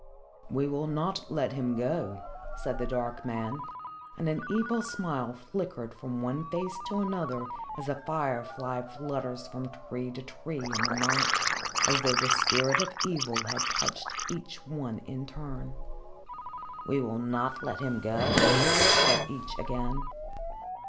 "We will not let him go," said the dark man, and an evil smile flickered from one face to another as a firefly flutters from tree to tree in the night as though the spirit of evil had touched each one in turn. "We will not let him go," said each again.